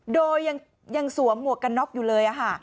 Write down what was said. โดยยังสวมหมวกกันน็อกอยู่เลย